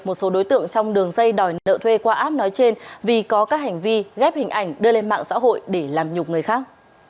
một số đối tượng trong đường dây đòi nợ thuê qua app nói trên vì có các hành vi ghép hình ảnh đưa lên mạng xã hội để làm nhục người khác